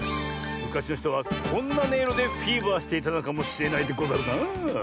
むかしのひとはこんなねいろでフィーバーしていたのかもしれないでござるなあ。